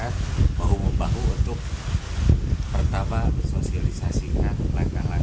lalu kita kedua bekerja sama dengan semua stakeholder